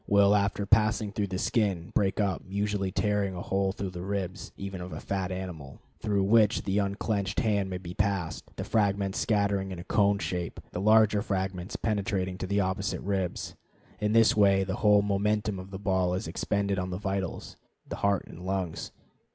will, after passing through the skin, break up, usually tearing a hole through the ribs, even of a fat animal, through which the unclenched hand can be passed, the fragments scattering in a cone shape, the larger fragments penetrating to the opposite ribs. In this way the whole momentum of the ball is expended on the vitals, the heart and lungs.